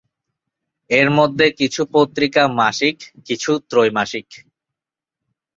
এরমধ্যে কিছু পত্রিকা মাসিক, কিছু ত্রৈমাসিক।